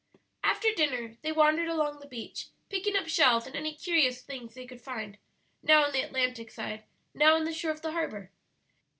After dinner they wandered along the beach, picking up shells and any curious things they could find now on the Atlantic side, now on the shore of the harbor.